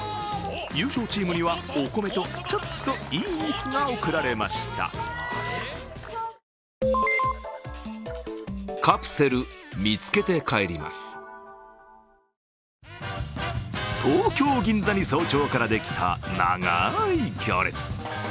優勝チームにはお米とちょっといい椅子が贈られました東京・銀座に早朝からできた長い行列。